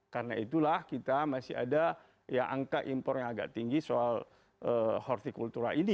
karena itulah kita masih ada ya angka impor yang agak tinggi soal hortikultura ini